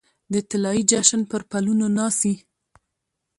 د طلايې جشن پرپلونو ناڅي